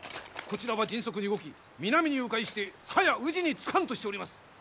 こちらは迅速に動き南に迂回してはや宇治に着かんとしております。